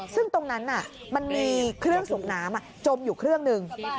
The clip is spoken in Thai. ซึ่งตรงนั้นมันมีเครื่องสูบน้ำจมอยู่เครื่องหนึ่ง